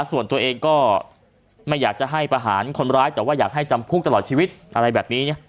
ส่วนตัวเองก็ไม่อยากจะให้ประหารคนร้ายแต่ว่าอยากให้จำคุกตลอดชีวิตอะไรแบบนี้